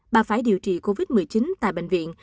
bà phải điều trị covid một mươi chín tại bệnh viện